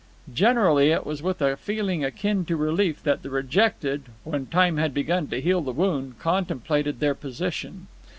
Generally it was with a feeling akin to relief that the rejected, when time had begun to heal the wound, contemplated their position.